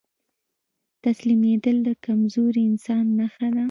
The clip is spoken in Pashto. تسليمېدل د کمزوري انسان نښه ده.